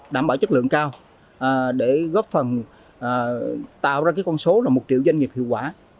đảm bảo chất lượng cao để góp phần tạo ra con số một triệu doanh nghiệp hiệu quả